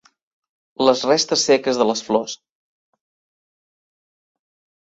Les restes seques de les flors.